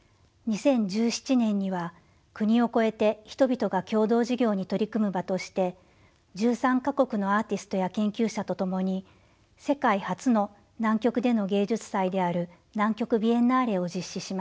２０１７年には国を越えて人々が共同事業に取り組む場として１３か国のアーティストや研究者と共に世界初の南極での芸術祭である南極ビエンナーレを実施しました。